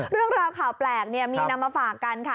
เรื่องราวข่าวแปลกมีนำมาฝากกันค่ะ